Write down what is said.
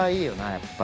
やっぱり。